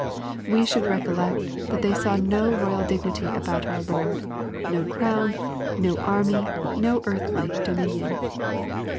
We should recollect that they saw no royal dig nity about our Lord, — no crown, — no army, — ^no earthly j dominion.